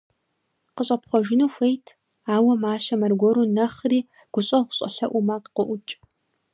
КъыщӀэпхъуэжыну хуейт, ауэ мащэм аргуэру нэхъри гущӀэгъу щӀэлъэӀуу макъ къоӀукӀ.